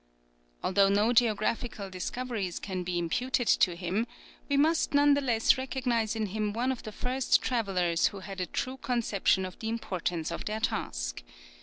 Although no geographical discoveries can be imputed to him, we must none the less recognize in him one of the first travellers who had a true conception of the importance of their task.